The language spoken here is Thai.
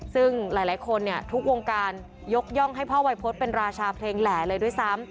ซึ่งหลายคนเนี่ยทุกวงการยกย่องให้พ่อวัยพฤษเป็นราชาเพลงแหล่เลยด้วยซ้ำ